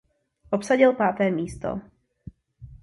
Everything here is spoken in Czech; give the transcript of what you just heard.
Obsadil páté místo.